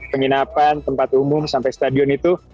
penginapan tempat umum sampai stadion itu